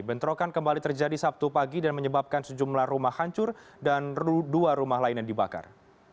bentrokan kembali terjadi sabtu pagi dan menyebabkan sejumlah rumah hancur dan dua rumah lain yang dibakar